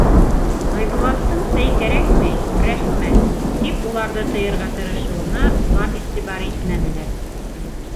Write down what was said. Айбулаттың сәй кәрәкмәй, рәхмәт, тип уларҙы тыйырға тырышыуына улар иғтибар итмәнеләр.